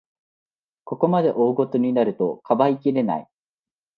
ここまで大ごとになると、かばいきれない